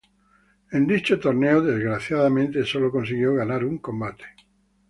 En dicho torneo desgraciadamente solo consiguió ganar un combate.